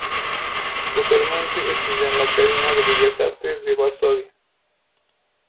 Posteriormente estudió en la Academia de Bellas Artes de Varsovia.